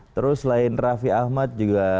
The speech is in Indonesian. terus selain raffi ahmad juga